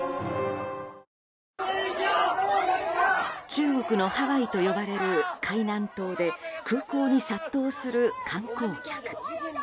中国のハワイと呼ばれる海南島で空港に殺到する観光客。